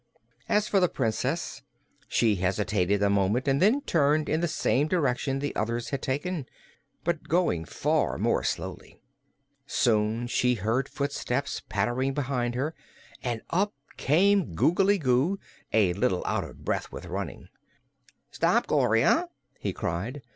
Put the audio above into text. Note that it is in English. As for the Princess, she hesitated a moment and then turned in the same direction the others had taken, but going far more slowly. Soon she heard footsteps pattering behind her, and up came Googly Goo, a little out of breath with running. "Stop, Gloria!" he cried.